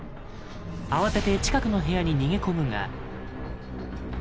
慌てて近くの部屋に逃げ込むが。